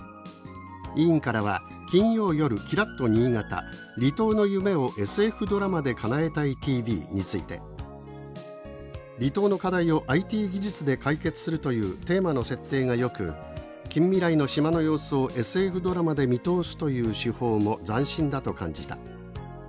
委員からは金よう夜きらっと新潟「離島の夢をＳＦドラマでかなえたいＴＶ」について「離島の課題をＩＴ技術で解決するというテーマの設定がよく近未来の島の様子をＳＦドラマで見通すという手法も斬新だと感じた。